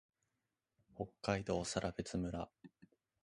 北海道更別村